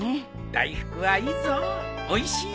大福はいいぞおいしいぞ。